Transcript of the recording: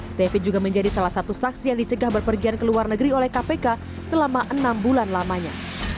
stefi juga menjadi salah satu saksi yang dicegah berpergian ke luar negeri oleh kpk selama enam bulan lamanya